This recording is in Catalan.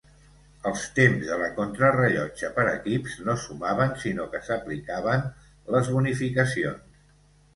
Els temps de la contrarellotge per equips no sumaven sinó que s'aplicaven les bonificacions.